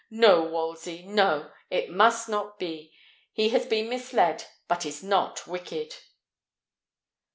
No, Wolsey, no! It must not be! He has been misled, but is not wicked."